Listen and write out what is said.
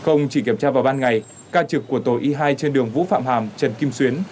không chỉ kiểm tra vào ban ngày ca trực của tổ y hai trên đường vũ phạm hàm trần kim xuyến